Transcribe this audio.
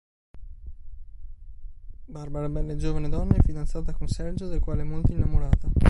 Barbara, bella e giovane donna, è fidanzata con Sergio del quale è molto innamorata.